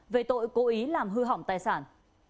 về tội cố ý làm hư hỏng tài sản